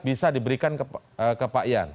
bisa diberikan ke pak ian